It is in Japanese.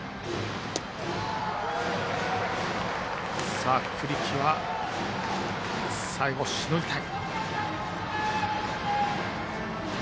さあ、栗城は最後しのぎたい。